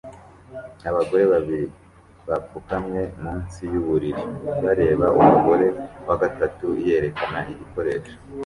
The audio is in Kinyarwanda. Abagore babiri bapfukamye munsi yuburiri bareba umugore wa gatatu yerekana igikoresho